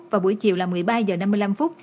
và buổi chiều là một mươi ba h năm mươi năm